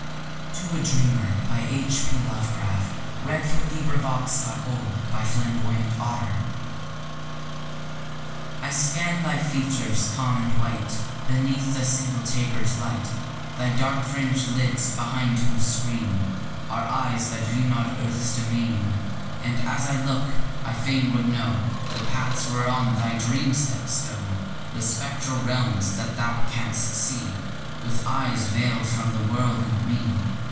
4, no. 3) â To a DreamerNovember 1924H. P. Lovecraft To a Dreamer By H. P. Lovecraft I scan thy features, calm and white Beneath the single taper's light; Thy dark fringed lids, behind whose screen. Are eyes that view not earth's demesne. And as I look, I fain would know The paths whereon thy dream steps go; The spectral realms that thou canst see With eyes veiled from the world and me.